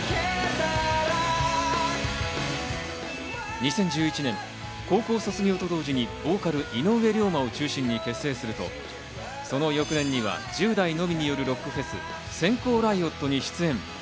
２０１１年、高校卒業と同時にボーカル・井上竜馬を中心に結成すると、その翌年には１０代のみによるロックフェス・閃光ライオットに出演。